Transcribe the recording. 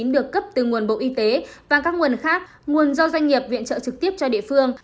được cấp từ nguồn bộ y tế và các nguồn khác nguồn do doanh nghiệp viện trợ trực tiếp cho địa phương